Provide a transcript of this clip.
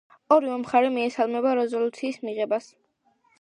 ორივე მხარე მიესალმა რეზოლუციის მიღებას.